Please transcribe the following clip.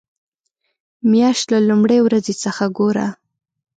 مياشت له لومړۍ ورځې څخه ګوره.